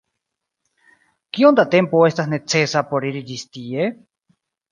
Kiom da tempo estas necesa por iri ĝis tie?